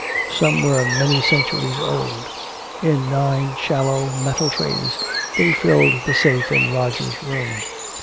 Some were many centuries old. In nine shallow metal trays they filled the safe in Roger's room.